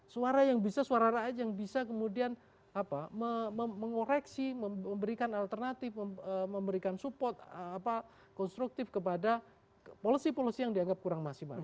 suara yang bisa suara rakyat yang bisa kemudian mengoreksi memberikan alternatif memberikan support konstruktif kepada policy policy yang dianggap kurang maksimal